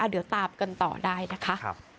เดี๋ยวตามกันต่อได้นะคะ